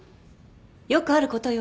よくあることよ。